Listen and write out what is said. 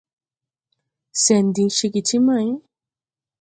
Sɛn diŋ ceege ti may !